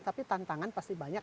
tapi tantangan pasti banyak